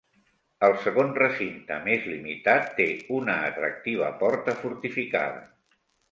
El segon recinte, més limitat, té una atractiva porta fortificada.